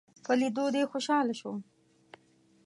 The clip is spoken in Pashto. په ليدو دې خوشحاله شوم